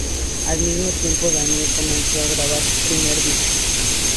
Al mismo tiempo, Daniel comienza a grabar su primer disco.